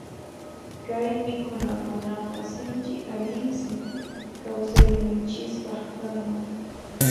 Kay mikhunakunaqa sinchi allinsi kawsayninchispaq kanman.